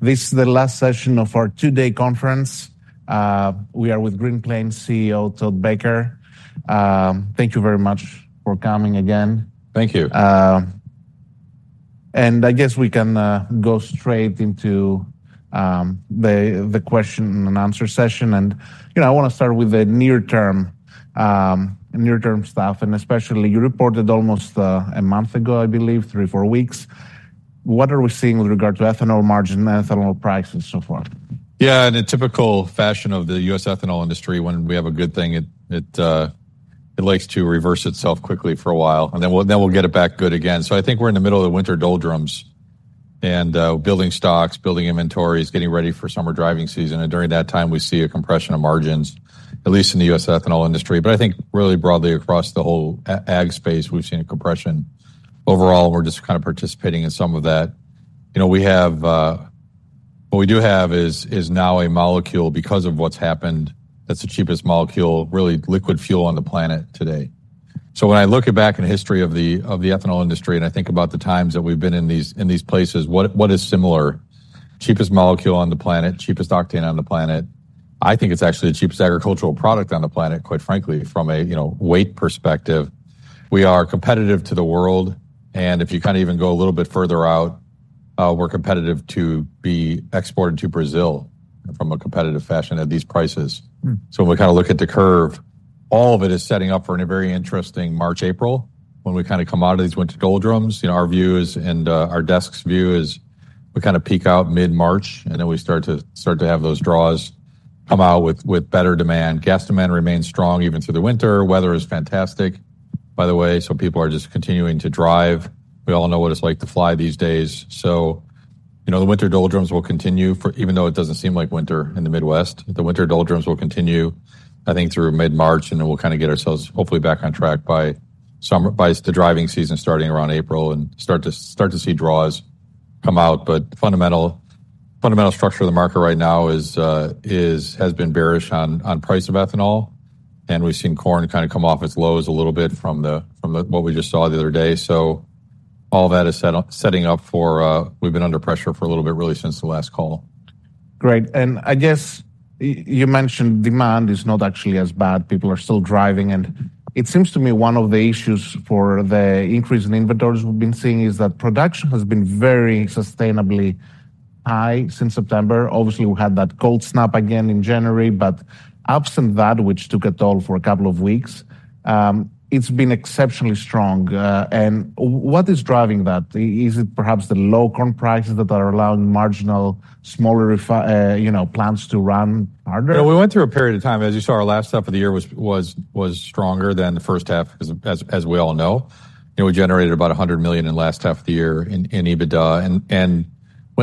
This is the last session of our two-day conference. We are with Green Plains CEO, Todd Becker. Thank you very much for coming again. Thank you. I guess we can go straight into the question and answer session. You know, I want to start with the near term stuff, and especially you reported almost a month ago, I believe, three or four weeks. What are we seeing with regard to ethanol margin and ethanol price and so forth? Yeah, in a typical fashion of the U.S. ethanol industry, when we have a good thing, it likes to reverse itself quickly for a while, and then we'll get it back good again. So I think we're in the middle of the winter doldrums and building stocks, building inventories, getting ready for summer driving season, and during that time, we see a compression of margins, at least in the U.S. ethanol industry. But I think really broadly across the whole ag space, we've seen a compression. Overall, we're just kind of participating in some of that. You know, we have... What we do have is now a molecule because of what's happened, that's the cheapest molecule, really, liquid fuel on the planet today. So when I look back in the history of the, of the ethanol industry, and I think about the times that we've been in these, in these places, what, what is similar? Cheapest molecule on the planet, cheapest octane on the planet. I think it's actually the cheapest agricultural product on the planet, quite frankly, from a, you know, weight perspective. We are competitive to the world, and if you kind of even go a little bit further out, we're competitive to be exported to Brazil from a competitive fashion at these prices. Mm. So if we kind of look at the curve, all of it is setting up for a very interesting March, April, when we kind of come out of these winter doldrums. You know, our view is and our desk's view is we kind of peak out mid-March, and then we start to have those draws come out with better demand. Gas demand remains strong even through the winter. Weather is fantastic, by the way, so people are just continuing to drive. We all know what it's like to fly these days. So, you know, the winter doldrums will continue even though it doesn't seem like winter in the Midwest, the winter doldrums will continue, I think, through mid-March, and then we'll kind of get ourselves hopefully back on track by summer, by the driving season starting around April and start to see draws come out. But fundamental, fundamental structure of the market right now is has been bearish on price of ethanol, and we've seen corn kind of come off its lows a little bit from what we just saw the other day. So all that is setting up for... We've been under pressure for a little bit, really, since the last call. Great. And I guess you mentioned demand is not actually as bad. People are still driving, and it seems to me one of the issues for the increase in inventories we've been seeing is that production has been very sustainably high since September. Obviously, we had that cold snap again in January, but absent that, which took a toll for a couple of weeks, it's been exceptionally strong. And what is driving that? Is it perhaps the low corn prices that are allowing marginal, smaller refineries, you know, plants to run harder? We went through a period of time, as you saw, our last half of the year was stronger than the first half, as we all know. You know, we generated about $100 million in the last half of the year in EBITDA, and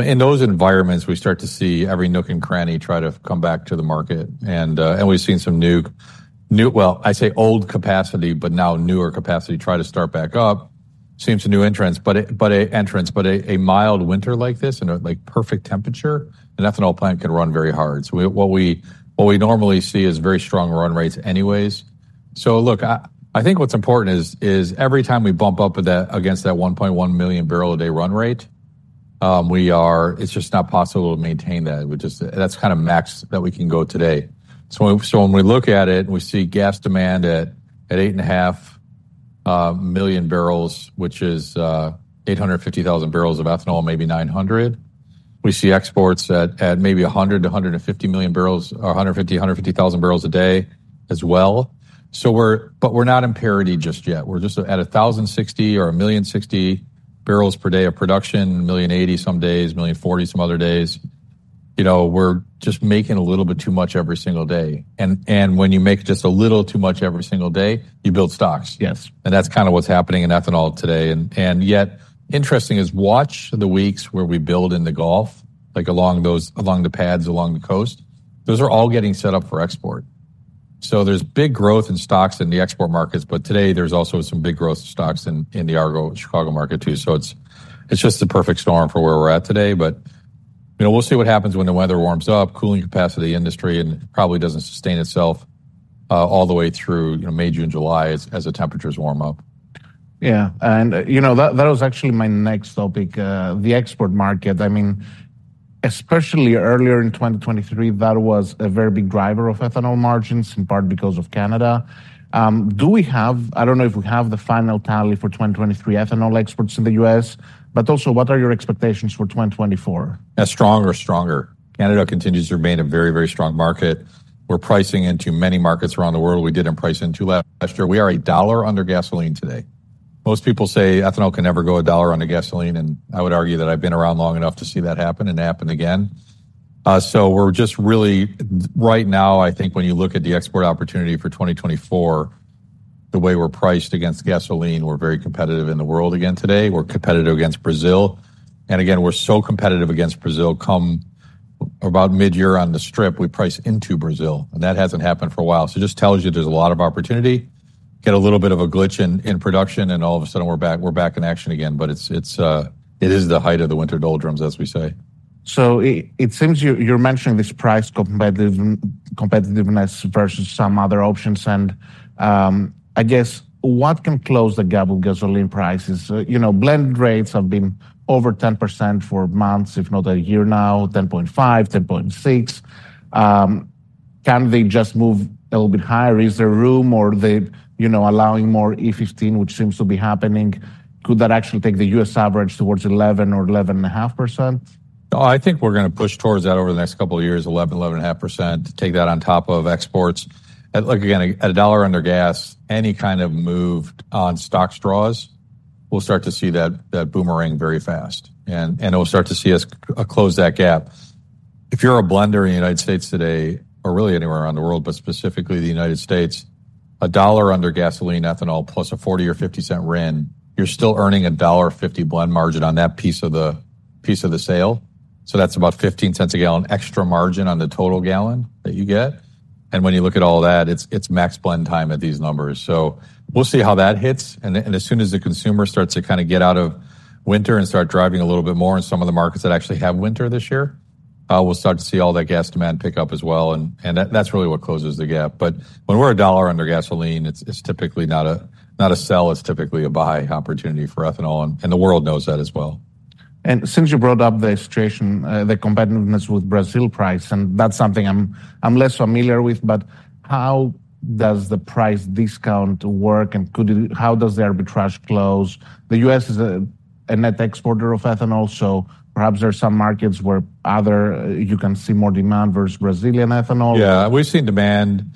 in those environments, we start to see every nook and cranny try to come back to the market. And we've seen some new... Well, I say old capacity, but now newer capacity try to start back up. Seems a new entrant, but a entrant, but a mild winter like this and a, like, perfect temperature, an ethanol plant can run very hard. So what we normally see is very strong run rates anyways. So look, I think what's important is every time we bump up against that 1.1 million barrel a day run rate, it's just not possible to maintain that. We just... That's kind of max that we can go today. So when we look at it, we see gas demand at 8.5 million barrels, which is 850,000 barrels of ethanol, maybe 900. We see exports at maybe 100-150 million barrels, or 150 thousand barrels a day as well. So we're... But we're not in parity just yet. We're just at 1,060 or 1.06 million barrels per day of production, 1.08 million some days, 1.04 million some other days. You know, we're just making a little bit too much every single day, and when you make just a little bit too much every single day, you build stocks. Yes. And that's kind of what's happening in ethanol today, and yet, interesting is, watch the weeks where we build in the Gulf, like along those, along the pads, along the coast. Those are all getting set up for export. So there's big growth in stocks in the export markets, but today there's also some big growth in stocks in the Argo, Chicago market, too. So it's just the perfect storm for where we're at today, but, you know, we'll see what happens when the weather warms up, cooling capacity industry, and probably doesn't sustain itself all the way through, you know, May, June, July, as the temperatures warm up. Yeah, and, you know, that, that was actually my next topic, the export market. I mean, especially earlier in 2023, that was a very big driver of ethanol margins, in part because of Canada. Do we have-- I don't know if we have the final tally for 2023 ethanol exports in the U.S., but also, what are your expectations for 2024? As strong or stronger. Canada continues to remain a very, very strong market. We're pricing into many markets around the world we didn't price into last year. We are $1 under gasoline today. Most people say ethanol can never go $1 under gasoline, and I would argue that I've been around long enough to see that happen, and it happened again. Right now, I think when you look at the export opportunity for 2024, the way we're priced against gasoline, we're very competitive in the world again today. We're competitive against Brazil, and again, we're so competitive against Brazil, come about midyear on the strip, we price into Brazil, and that hasn't happened for a while. So just tells you there's a lot of opportunity. Get a little bit of a glitch in production, and all of a sudden we're back in action again. But it is the height of the winter doldrums, as we say. So it seems you're mentioning this price competitive, competitiveness versus some other options, and, I guess, what can close the gap with gasoline prices? You know, blend rates have been over 10% for months, if not a year now, 10.5, 10.6. Can they just move a little bit higher? Is there room or are they, you know, allowing more E15, which seems to be happening, could that actually take the U.S. average towards 11% or 11.5%? Oh, I think we're going to push towards that over the next couple of years, 11%, 11.5%. Take that on top of exports. And look, again, at $1 under gas, any kind of move on stock draws, we'll start to see that boomerang very fast and it'll start to see U.S. close that gap. If you're a blender in the United States today, or really anywhere around the world, but specifically the United States, $1 under gasoline ethanol plus a $0.40 or $0.50 RIN, you're still earning a $1.50 blend margin on that piece of the sale. So that's about $0.15 a gallon extra margin on the total gallon that you get. And when you look at all that, it's max blend time at these numbers. So we'll see how that hits. As soon as the consumer starts to kind of get out of winter and start driving a little bit more in some of the markets that actually have winter this year, we'll start to see all that gas demand pick up as well. And that's really what closes the gap. But when we're $1 under gasoline, it's typically not a sell, it's typically a buy opportunity for ethanol, and the world knows that as well. Since you brought up the situation, the competitiveness with Brazil price, and that's something I'm less familiar with, but how does the price discount work, and could it—how does the arbitrage close? The U.S. is a net exporter of ethanol, so perhaps there are some markets where other—you can see more demand versus Brazilian ethanol. Yeah, we've seen demand,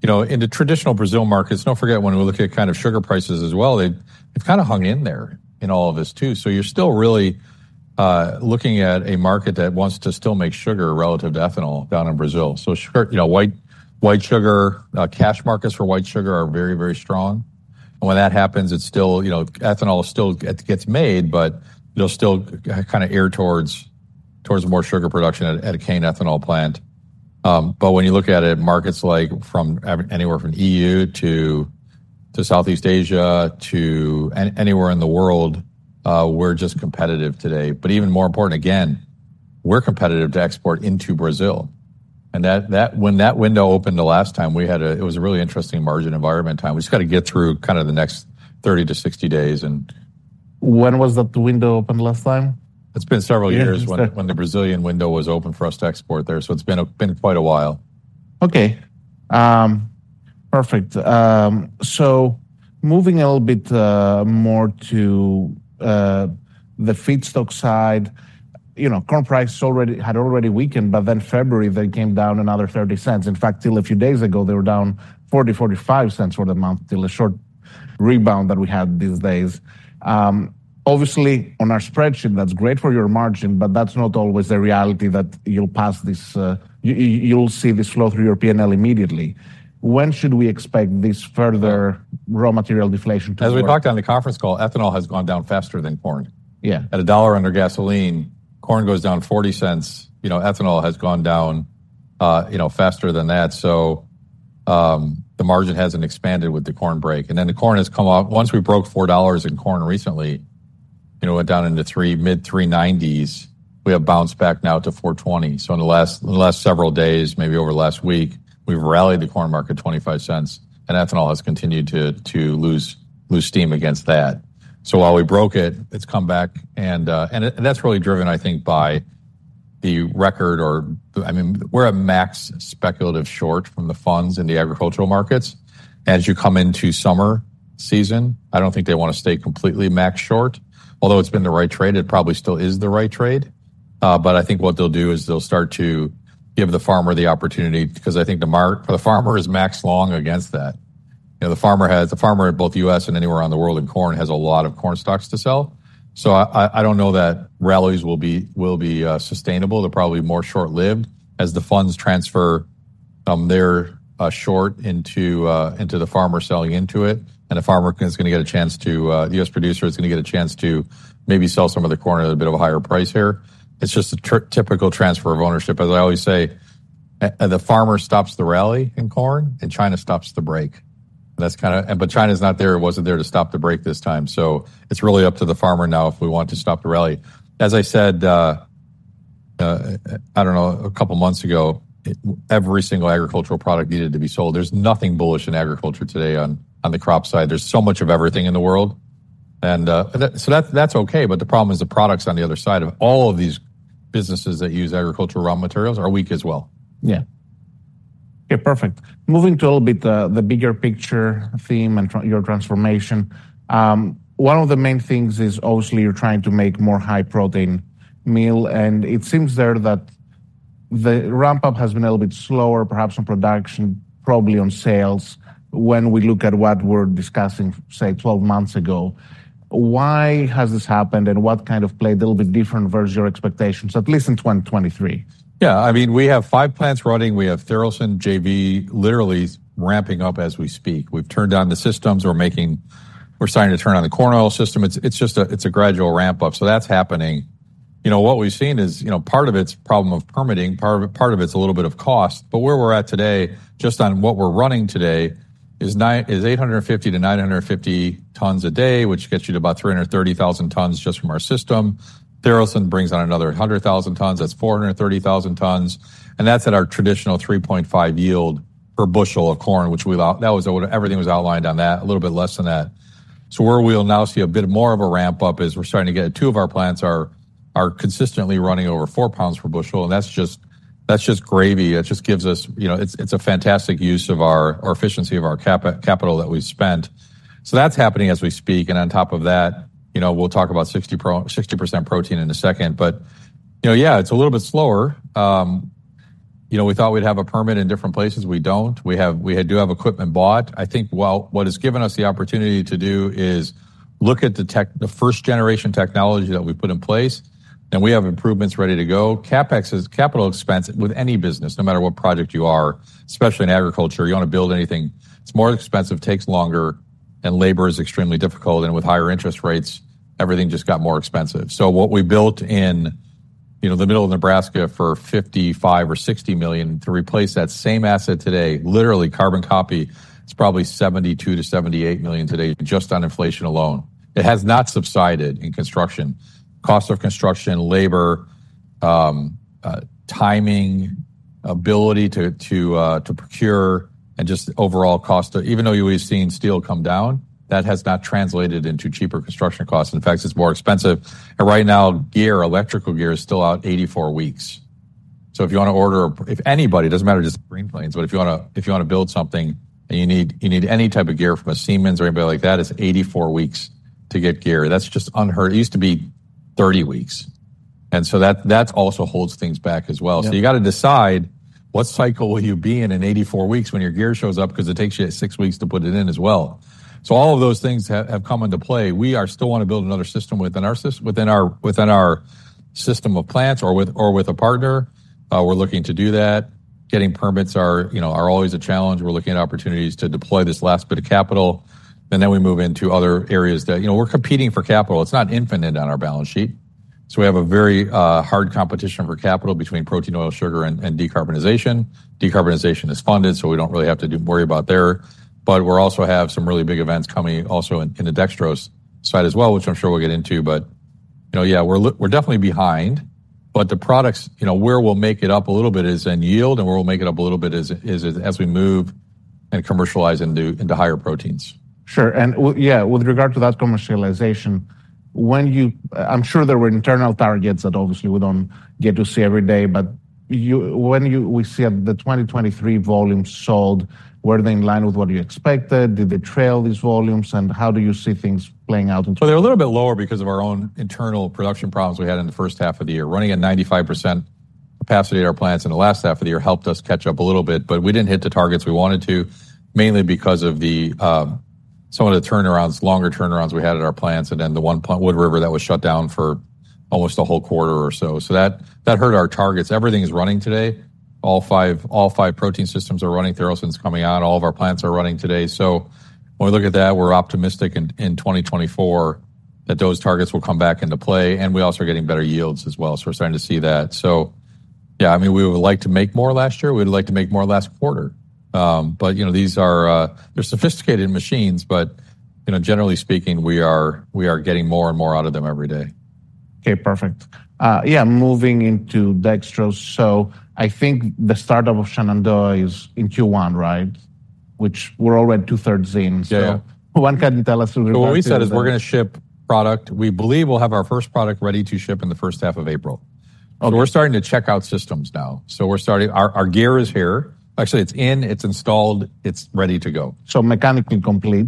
you know, in the traditional Brazil markets. Don't forget, when we look at kind of sugar prices as well, they've kind of hung in there in all of this, too. So you're still really looking at a market that wants to still make sugar relative to ethanol down in Brazil. So you know, white, white sugar cash markets for white sugar are very, very strong. And when that happens, it's still... You know, ethanol still gets made, but they'll still kind of err towards, towards more sugar production at a cane ethanol plant. But when you look at it, markets like from anywhere from E.U. to Southeast Asia to anywhere in the world, we're just competitive today. But even more important, again, we're competitive to export into Brazil. When that window opened the last time, we had a... It was a really interesting margin environment time. We just got to get through kind of the next 30-60 days and- When was that the window open last time? It's been several years- Yeah.... when the Brazilian window was open for U.S. to export there, so it's been quite a while. Okay. Perfect. So moving a little bit more to the feedstock side, you know, corn prices already had weakened, but then February, they came down another $0.30. In fact, till a few days ago, they were down $0.40-$0.45 for the month, till a short rebound that we had these days. Obviously, on our spreadsheet, that's great for your margin, but that's not always the reality that you'll pass this. You'll see this flow through your P&L immediately. When should we expect this further raw material deflation to work? As we talked on the conference call, ethanol has gone down faster than corn. Yeah. At $1 under gasoline, corn goes down $0.40. You know, ethanol has gone down, you know, faster than that. So, the margin hasn't expanded with the corn break. Then the corn has come up. Once we broke $4 in corn recently, you know, it went down into $3, mid-$3.90s. We have bounced back now to $4.20. So in the last several days, maybe over the last week, we've rallied the corn market $0.25, and ethanol has continued to lose steam against that. So while we broke it, it's come back and, and that's really driven, I think, by the record. I mean, we're a max speculative short from the funds in the agricultural markets. As you come into summer season, I don't think they want to stay completely max short. Although it's been the right trade, it probably still is the right trade. But I think what they'll do is they'll start to give the farmer the opportunity, because I think the farmer is max long against that. You know, the farmer in both U.S. and anywhere around the world, and corn has a lot of corn stocks to sell. So I don't know that rallies will be sustainable. They're probably more short-lived as the funds transfer their short into the farmer selling into it, and the farmer is going to get a chance to the U.S. producer is going to get a chance to maybe sell some of the corn at a bit of a higher price here. It's just a typical transfer of ownership. As I always say, the farmer stops the rally in corn, and China stops the break. That's kind of... But China is not there, or wasn't there to stop the break this time. So it's really up to the farmer now if we want to stop the rally. As I said, I don't know, a couple of months ago, every single agricultural product needed to be sold. There's nothing bullish in agriculture today on the crop side. There's so much of everything in the world. And that's okay, but the problem is the products on the other side of all of these businesses that use agricultural raw materials are weak as well. Yeah. Yeah, perfect. Moving to a little bit, the bigger picture theme and your transformation. One of the main things is obviously you're trying to make more high-protein meal, and it seems there that the ramp-up has been a little bit slower, perhaps on production, probably on sales, when we look at what we're discussing, say, 12 months ago. Why has this happened, and what kind of played a little bit different versus your expectations, at least in 2023? Yeah, I mean, we have five plants running. We have Tharaldson JV literally ramping up as we speak. We've turned on the systems. We're making—we're starting to turn on the corn oil system. It's just a gradual ramp-up, so that's happening. You know, what we've seen is, you know, part of it's problem of permitting, part of it, part of it's a little bit of cost, but where we're at today, just on what we're running today, is 850-950 tons a day, which gets you to about 330,000 tons just from our system. Tharaldson brings on another 100,000 tons. That's 430,000 tons, and that's at our traditional 3.5 yield per bushel of corn, which we—that was—everything was outlined on that, a little bit less than that. So where we'll now see a bit more of a ramp-up is we're starting to get. Two of our plants are consistently running over 4 lbs per bushel, and that's just, that's just gravy. It just gives U.S., you know, it's, it's a fantastic use of our, our efficiency of our capital that we've spent. So that's happening as we speak, and on top of that, you know, we'll talk about 60% protein in a second. But, you know, yeah, it's a little bit slower. You know, we thought we'd have a permit in different places. We don't. We have—we do have equipment bought. I think while what it's given U.S. the opportunity to do is look at the tech the first-generation technology that we've put in place, and we have improvements ready to go. CapEx is capital expense with any business, no matter what project you are. Especially in agriculture, you want to build anything, it's more expensive, takes longer, and labor is extremely difficult, and with higher interest rates, everything just got more expensive. So what we built in, you know, the middle of Nebraska for $55 million or $60 million, to replace that same asset today, literally carbon copy, it's probably $72 million-$78 million today just on inflation alone. It has not subsided in construction. Cost of construction, labor, timing, ability to procure, and just overall cost. Even though we've seen steel come down, that has not translated into cheaper construction costs. In fact, it's more expensive, and right now, gear, electrical gear is still out 84 weeks. So if you want to order... If anybody, it doesn't matter, just Green Plains, but if you wanna, if you wanna build something, and you need, you need any type of gear from a Siemens or anybody like that, it's 84 weeks to get gear. That's just unheard. It used to be 30 weeks, and so that, that also holds things back as well. Yeah. So you gotta decide what cycle will you be in in 84 weeks when your gear shows up, 'cause it takes you six weeks to put it in as well. So all of those things have, have come into play. We still want to build another system within our system of plants or with a partner. We're looking to do that. Getting permits are, you know, always a challenge. We're looking at opportunities to deploy this last bit of capital, and then we move into other areas that... You know, we're competing for capital. It's not infinite on our balance sheet. So we have a very hard competition for capital between protein, oil, sugar, and decarbonization. Decarbonization is funded, so we don't really have to worry about there. But we're also have some really big events coming also in, in the dextrose side as well, which I'm sure we'll get into, but, you know, yeah, we're--we're definitely behind. But the products, you know, where we'll make it up a little bit is in yield, and where we'll make it up a little bit is, is as, as we move and commercialize into, into higher proteins. Sure. And yeah, with regard to that commercialization, when you... I'm sure there were internal targets that obviously we don't get to see every day, but you, when you-- we see at the 2023 volumes sold, were they in line with what you expected? Did they trail these volumes, and how do you see things playing out in- So they're a little bit lower because of our own internal production problems we had in the first half of the year. Running at 95% capacity at our plants in the last half of the year helped U.S. catch up a little bit, but we didn't hit the targets we wanted to, mainly because of some of the turnarounds, longer turnarounds we had at our plants, and then the one plant Wood River that was shut down for almost a whole quarter or so. So that hurt our targets. Everything is running today. All five protein systems are running. There's one coming out. All of our plants are running today. So when we look at that, we're optimistic in 2024 that those targets will come back into play, and we're also getting better yields as well, so we're starting to see that. So yeah, I mean, we would like to make more last year. We'd like to make more last quarter. But, you know, these are, they're sophisticated machines, but, you know, generally speaking, we are, we are getting more and more out of them every day. Okay, perfect. Yeah, moving into dextrose. So I think the startup of Shenandoah is in Q1, right? Which we're already two-thirds in. Yeah. So, one can tell U.S. with regards to- What we said is we're gonna ship product. We believe we'll have our first product ready to ship in the first half of April. Okay. We're starting to check out systems now. Our gear is here. Actually, it's in, it's installed, it's ready to go. Mechanically complete?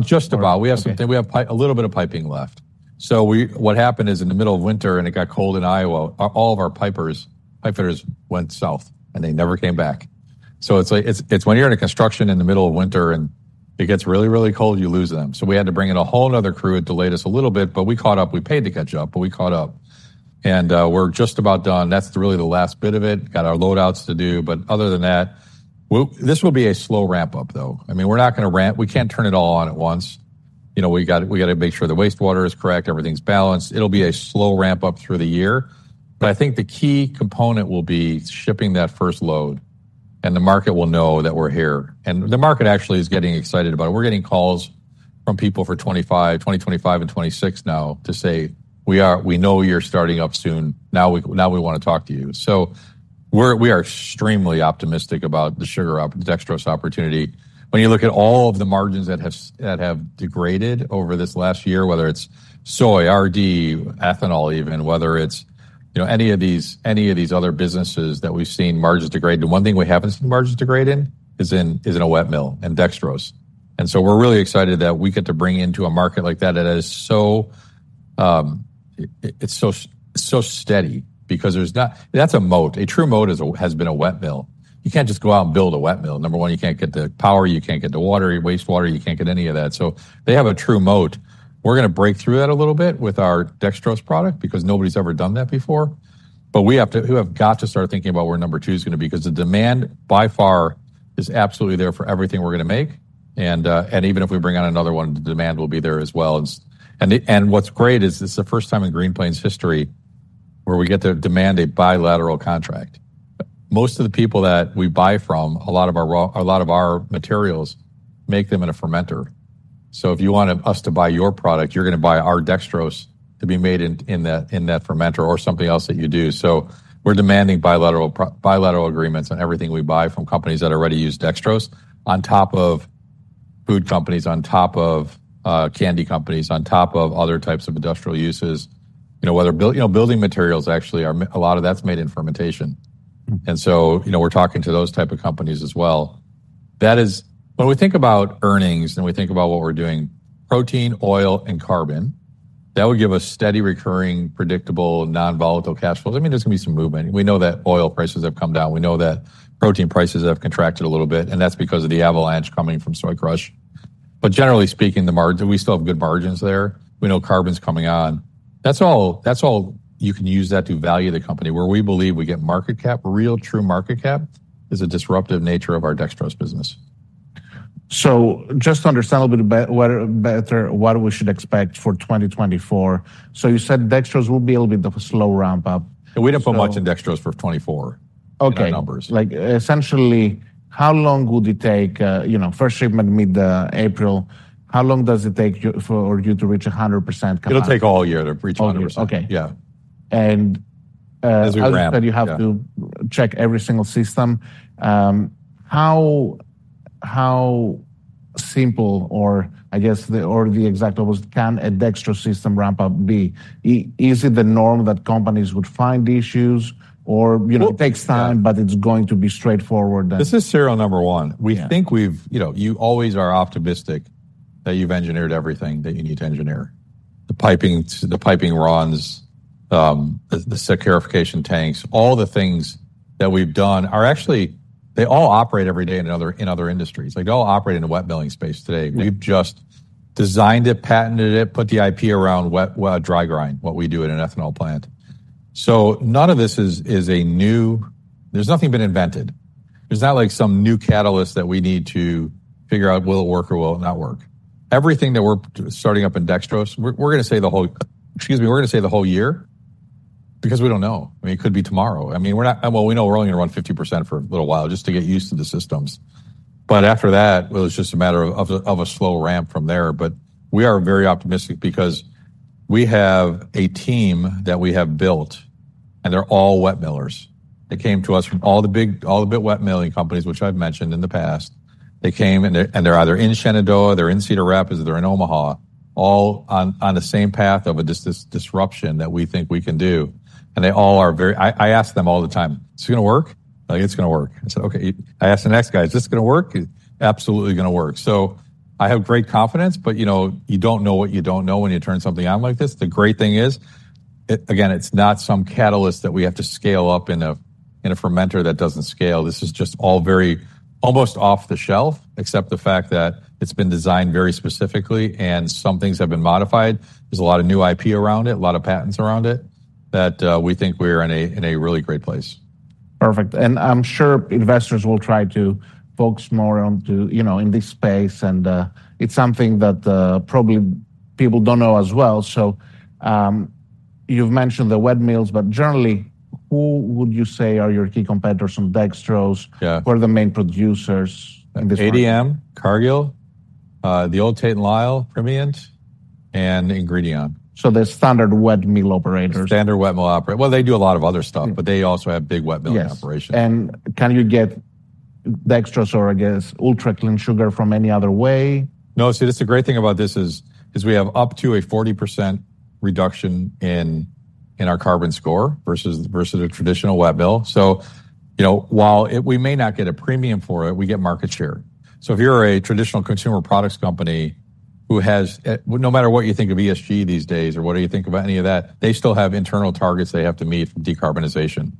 Just about. Okay. We have a little bit of piping left. So what happened is, in the middle of winter, and it got cold in Iowa, all of our pipers, pipefitters, went south, and they never came back. So it's like, it's when you're in a construction in the middle of winter and it gets really, really cold, you lose them. So we had to bring in a whole another crew. It delayed U.S. a little bit, but we caught up. We paid to catch up, but we caught up, and we're just about done. That's really the last bit of it. Got our load outs to do, but other than that, this will be a slow ramp-up, though. I mean, we're not gonna ramp. We can't turn it all on at once. You know, we gotta, we gotta make sure the wastewater is correct, everything's balanced. It'll be a slow ramp-up through the year. Right. But I think the key component will be shipping that first load, and the market will know that we're here. And the market actually is getting excited about it. We're getting calls from people for 2025 and 2026 now to say, "We know you're starting up soon. Now we want to talk to you." So we are extremely optimistic about the dextrose opportunity. When you look at all of the margins that have degraded over this last year, whether it's soy, RD, ethanol even, whether it's, you know, any of these other businesses that we've seen margins degrade, the one thing we haven't seen margins degrade in is a wet mill and dextrose. We're really excited that we get to bring into a market like that, that is so, it's so steady because there's not... That's a moat. A true moat has been a wet mill. You can't just go out and build a wet mill. Number one, you can't get the power, you can't get the water, wastewater, you can't get any of that. So they have a true moat. We're gonna break through that a little bit with our dextrose product because nobody's ever done that before. But we have to, we have got to start thinking about where number two is gonna be, 'cause the demand, by far, is absolutely there for everything we're gonna make, and, and even if we bring on another one, the demand will be there as well. And what's great is this is the first time in Green Plains' history where we get to demand a bilateral contract. Most of the people that we buy from, a lot of our materials, make them in a fermenter. So if you want U.S. to buy your product, you're gonna buy our dextrose to be made in that fermenter or something else that you do. So we're demanding bilateral agreements on everything we buy from companies that already use dextrose, on top of food companies on top of candy companies, on top of other types of industrial uses. You know, building materials actually are a lot of that's made in fermentation. And so, you know, we're talking to those type of companies as well. That is, when we think about earnings, and we think about what we're doing, protein, oil, and carbon, that would give U.S. steady, recurring, predictable, non-volatile cash flows. I mean, there's gonna be some movement. We know that oil prices have come down. We know that protein prices have contracted a little bit, and that's because of the avalanche coming from soy crush. But generally speaking, the margin, we still have good margins there. We know carbon's coming on. That's all, that's all, you can use that to value the company, where we believe we get market cap, real true market cap, is the disruptive nature of our dextrose business. Just to understand a little bit better, what we should expect for 2024. So you said dextrose will be a little bit of a slow ramp-up. We didn't put much in dextrose for 2024- Okay... in our numbers. Like, essentially, how long will it take, you know, first shipment mid April, how long does it take you for you to reach 100% capacity? It'll take all year to reach 100%. All year. Okay. Yeah. And, uh- As we ramp, yeah. You have to check every single system. How simple or I guess, the exact opposite, can a dextrose system ramp-up be? Is it the norm that companies would find issues or, you know- Well-... it takes time, but it's going to be straightforward then? This is serial number one. Yeah. We think we've-- You know, you always are optimistic that you've engineered everything that you need to engineer. The piping, the piping runs, the saccharification tanks, all the things that we've done are actually-- They all operate every day in other industries. They all operate in the wet milling space today. We've just designed it, patented it, put the IP around wet, well, dry grind, what we do in an ethanol plant. So none of this is a new... There's nothing been invented. There's not like some new catalyst that we need to figure out, will it work or will it not work? Everything that we're starting up in dextrose, we're gonna say the whole year, excuse me, we're gonna say the whole year, because we don't know. I mean, it could be tomorrow. I mean, we're not. Well, we know we're only gonna run 50% for a little while just to get used to the systems. But after that, well, it's just a matter of a slow ramp from there. But we are very optimistic because we have a team that we have built, and they're all wet millers. They came to U.S. from all the big wet milling companies, which I've mentioned in the past. They came, and they're either in Shenandoah, they're in Cedar Rapids, they're in Omaha, all on the same path of a disruption that we think we can do, and they all are very... I ask them all the time: "Is this gonna work?" "It's gonna work." I say, "Okay." I ask the next guy: "Is this gonna work?" "Absolutely, gonna work." So I have great confidence, but, you know, you don't know what you don't know when you turn something on like this. The great thing is, again, it's not some catalyst that we have to scale up in a fermenter that doesn't scale. This is just all very almost off the shelf, except the fact that it's been designed very specifically, and some things have been modified. There's a lot of new IP around it, a lot of patents around it, that we think we're in a really great place. Perfect. And I'm sure investors will try to focus more on to, you know, in this space, and, it's something that, probably people don't know as well. So, you've mentioned the wet mills, but generally, who would you say are your key competitors from dextrose? Yeah. Who are the main producers in this market? ADM, Cargill, the old Tate & Lyle, Primient, and Ingredion. The standard wet mill operators? Standard wet mill operator. Well, they do a lot of other stuff, but they also have big wet mill- Yes... operations. Can you get dextrose or, I guess, ultra-clean sugar from any other way? No. See, that's the great thing about this is we have up to a 40% reduction in our carbon score versus a traditional wet mill. So, you know, while it, we may not get a premium for it, we get market share. So if you're a traditional consumer products company who has... No matter what you think of ESG these days or what do you think about any of that, they still have internal targets they have to meet for decarbonization.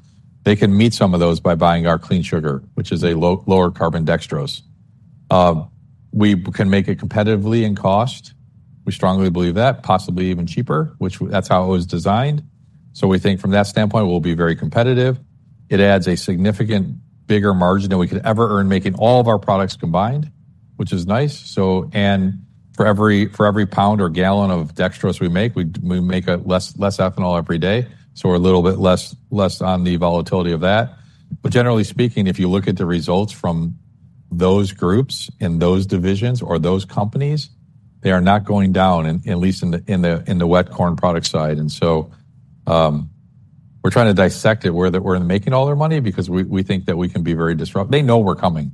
They can meet some of those by buying our clean sugar, which is a lower carbon dextrose. We can make it competitively in cost. We strongly believe that, possibly even cheaper, which that's how it was designed. So we think from that standpoint, we'll be very competitive. It adds a significant bigger margin than we could ever earn making all of our products combined, which is nice. So, and for every pound or gallon of dextrose we make, we make less ethanol every day, so we're a little bit less on the volatility of that. But generally speaking, if you look at the results from those groups and those divisions or those companies, they are not going down, and at least in the wet corn product side. And so, we're trying to dissect it, where they're making all their money because we think that we can be very disruptive. They know we're coming.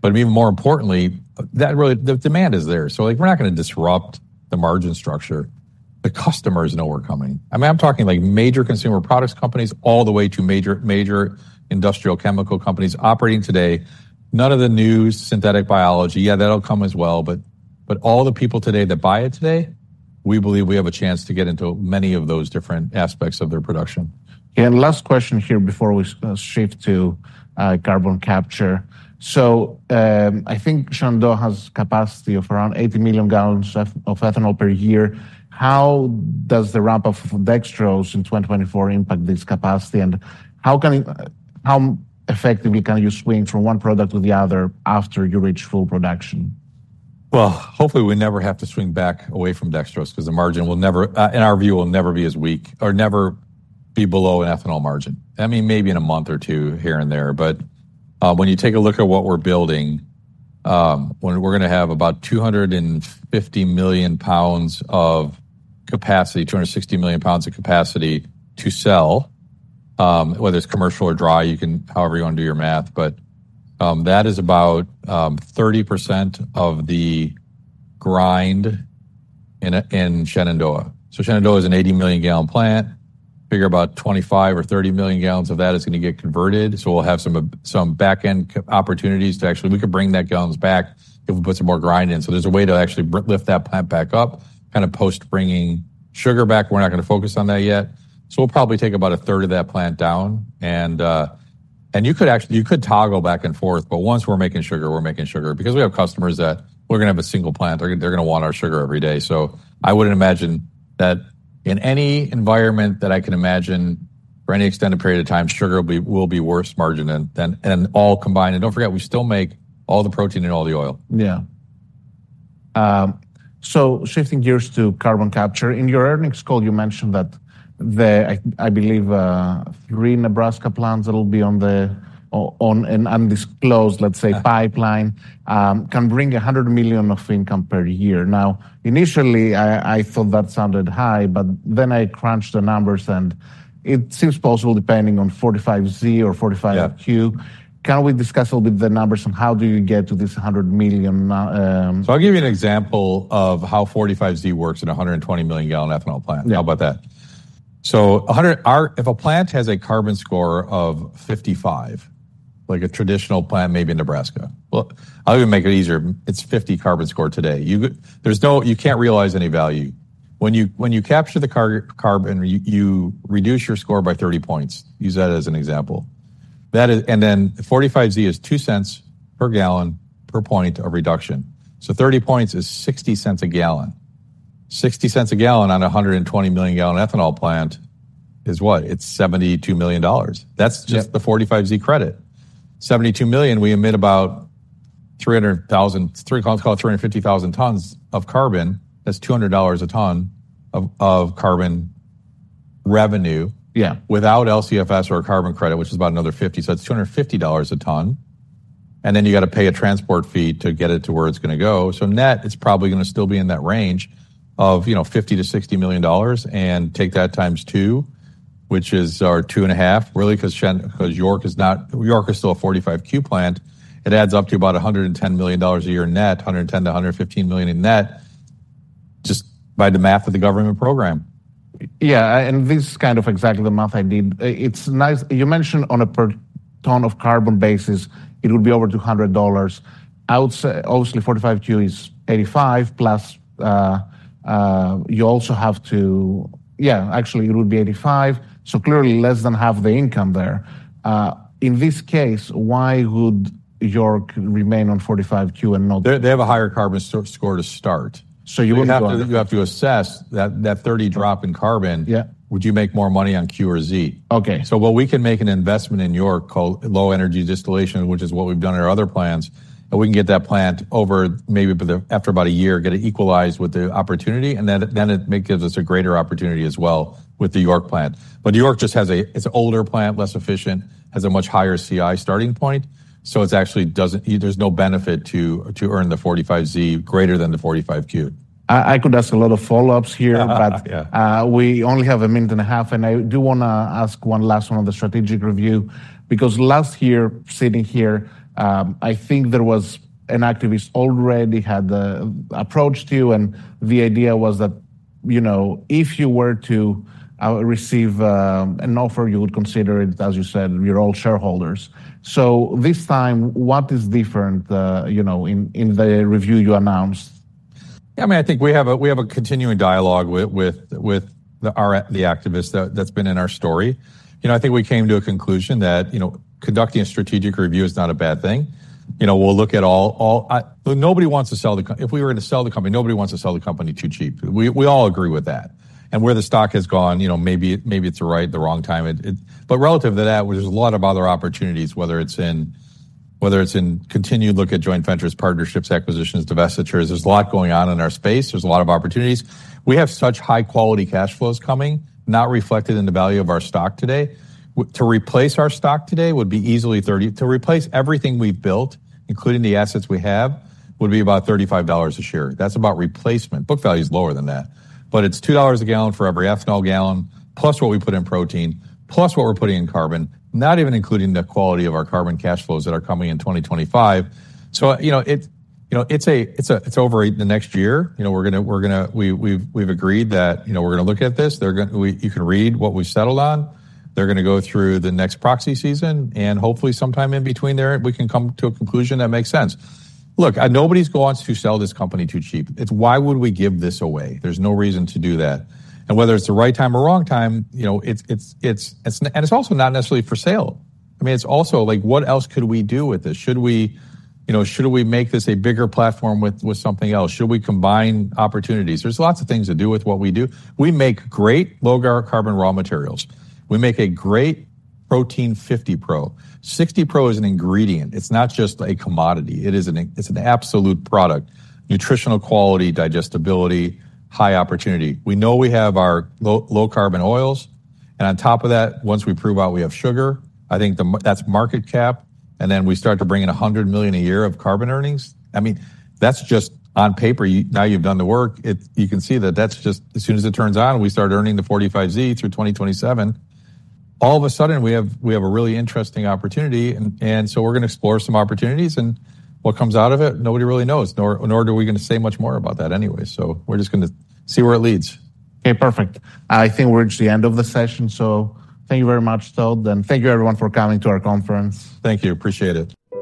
But even more importantly, that really, the demand is there. So, like, we're not gonna disrupt the margin structure. The customers know we're coming. I mean, I'm talking like major consumer products companies all the way to major, major industrial chemical companies operating today. None of the new synthetic biology, yeah, that'll come as well, but, but all the people today that buy it today, we believe we have a chance to get into many of those different aspects of their production. Yeah, and last question here before we shift to carbon capture. So, I think Shenandoah has capacity of around 80 million gal of ethanol per year. How does the ramp of dextrose in 2024 impact this capacity, and how effectively can you swing from one product to the other after you reach full production? Well, hopefully, we never have to swing back away from dextrose because the margin will never, in our view, will never be as weak or never be below an ethanol margin. I mean, maybe in a month or two here and there, but, when you take a look at what we're building, when we're gonna have about 250 million lbs of capacity, 260 million lbs of capacity to sell, whether it's commercial or dry, you can, however you want to do your math, but, that is about 30% of the grind in Shenandoah. So Shenandoah is an 80 million gal plant. Figure about 25 or 30 million gal of that is gonna get converted. So we'll have some back-end opportunities to actually we could bring that gallons back if we put some more grind in. So there's a way to actually lift that plant back up, kind of post bringing sugar back. We're not gonna focus on that yet. So we'll probably take about a third of that plant down. And, and you could actually, you could toggle back and forth, but once we're making sugar, we're making sugar. Because we have customers that we're gonna have a single plant. They're gonna want our sugar every day. So I wouldn't imagine that in any environment that I can imagine, for any extended period of time, sugar will be worse margin than, than. And all combined, and don't forget, we still make all the protein and all the oil. Yeah. So shifting gears to carbon capture. In your earnings call, you mentioned that the, I believe, three Nebraska plants that will be on the, on an undisclosed, let's say, pipeline, can bring $100 million of income per year. Now, initially, I thought that sounded high, but then I crunched the numbers, and it seems possible, depending on 45Z or 45Q. Yeah. Can we discuss a little bit the numbers on how do you get to this $100 million? I'll give you an example of how 45Z works in a 120 million gal ethanol plant. Yeah. How about that? So, if a plant has a carbon score of 55, like a traditional plant, maybe in Nebraska. Well, I'll even make it easier. It's 50 carbon score today. You can't realize any value. When you capture the carbon, you reduce your score by 30 points. use that as an example. That is, and then 45Z is $0.02 per gallon per point of reduction. So 30 points is $0.60 a gallon. $0.60 a gallon on a 120 million gal ethanol plant is what? It's $72 million. Yeah. That's just the 45Z credit. $72 million, we emit about 300,000, 300, call it 350,000 tons of carbon. That's $200 a ton of carbon revenue- Yeah ... without LCFS or a carbon credit, which is about another 50. So that's $250 a ton, and then you got to pay a transport fee to get it to where it's gonna go. So net, it's probably gonna still be in that range of, you know, $50 million-$60 million, and take that 2x, which is our 2.5, really, 'cause Shenandoah—'cause York is not, York is still a 45Q plant. It adds up to about $110 million a year net, $110 million-$115 million in net, just by the math of the government program. Yeah, and this is kind of exactly the math I did. It's nice. You mentioned on a per ton of carbon basis, it would be over $200. I would say, obviously, 45Q is $85, plus, you also have to... Yeah, actually, it would be $85, so clearly less than half the income there. In this case, why would York remain on 45Q and not- They have a higher carbon CI score to start. So you wouldn't go on- You have to assess that 30 drop in carbon. Yeah. Would you make more money on Q or Z? Okay. So while we can make an investment in York called low energy distillation, which is what we've done in our other plants, and we can get that plant over maybe by the, after about a year, get it equalized with the opportunity, and then it gives U.S. a greater opportunity as well with the York plant. But York just has a, it's an older plant, less efficient, has a much higher CI starting point, so it's actually doesn't. There's no benefit to earn the 45Z greater than the 45Q. I could ask a lot of follow-ups here- Yeah. But, we only have a minute and a half, and I do wanna ask one last one on the strategic review. Because last year, sitting here, I think there was an activist already had approached you, and the idea was that, you know, if you were to receive an offer, you would consider it, as you said, we are all shareholders. So this time, what is different, you know, in the review you announced? Yeah, I mean, I think we have a continuing dialogue with the our, the activist that's been in our story. You know, I think we came to a conclusion that, you know, conducting a strategic review is not a bad thing. You know, we'll look at all... But nobody wants to sell the c-- If we were gonna sell the company, nobody wants to sell the company too cheap. We all agree with that. And where the stock has gone, you know, maybe it, maybe it's right, the wrong time. But relative to that, there's a lot of other opportunities, whether it's in continued look at joint ventures, partnerships, acquisitions, divestitures. There's a lot going on in our space. There's a lot of opportunities. We have such high-quality cash flows coming, not reflected in the value of our stock today. To replace our stock today would be easily [30... To replace everything we've built, including the assets we have, would be about $35 a share. That's about replacement. Book value is lower than that, but it's $2 a gallon for every ethanol gallon, plus what we put in protein, plus what we're putting in carbon, not even including the quality of our carbon cash flows that are coming in 2025. So, you know, it, you know, it's a, it's a, it's over the next year. You know, we're gonna... We've agreed that, you know, we're gonna look at this. They're gonna... You can read what we've settled on. They're gonna go through the next proxy season, and hopefully sometime in between there, we can come to a conclusion that makes sense. Look, nobody's going to sell this company too cheap. It's why would we give this away? There's no reason to do that. And whether it's the right time or wrong time, you know, it's... And it's also not necessarily for sale. I mean, it's also like, what else could we do with this? Should we, you know, should we make this a bigger platform with, with something else? Should we combine opportunities? There's lots of things to do with what we do. We make great low carbon raw materials. We make a great protein, 50 Pro. 60 Pro is an ingredient. It's not just a commodity. It is an, it's an absolute product: nutritional quality, digestibility, high opportunity. We know we have our low, low-carbon oils, and on top of that, once we prove out, we have sugar. I think that's market cap, and then we start to bring in $100 million a year of carbon earnings. I mean, that's just on paper. You, now you've done the work, you can see that that's just... As soon as it turns on, we start earning the 45Z through 2027. All of a sudden, we have, we have a really interesting opportunity, and so we're gonna explore some opportunities, and what comes out of it, nobody really knows, nor are we gonna say much more about that anyway. So we're just gonna see where it leads. Okay, perfect. I think we're at the end of the session, so thank you very much, Todd, and thank you everyone for coming to our conference. Thank you. Appreciate it.